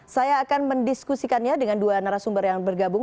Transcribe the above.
saya akan mendiskusikannya dengan dua narasumber yang bergabung